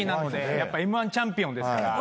やっぱＭ−１チャンピオンですから。